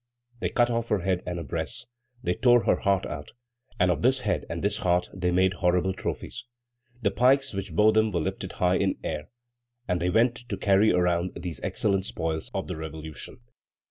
They cut off her head and her breasts. They tore out her heart, and of this head and this heart they made horrible trophies. The pikes which bore them were lifted high in air, and they went to carry around these excellent spoils of the Revolution.